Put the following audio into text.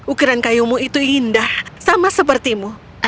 ukiran kayumu itu indah sama sepertimu